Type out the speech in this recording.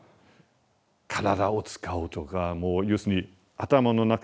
体を使うとかもう要するに頭の中がうつ